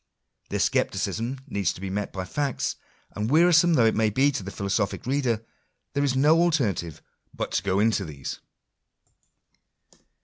Their scepticism needs to be met by facts ; and, wearisome though it may be to the philosophic reader, there is no alternative but to go into these.